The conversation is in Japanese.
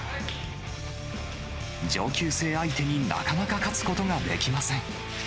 上級生相手になかなか勝つことができません。